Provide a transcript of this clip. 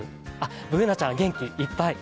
Ｂｏｏｎａちゃんは元気いっぱい。